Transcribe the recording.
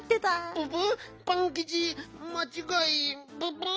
ププ？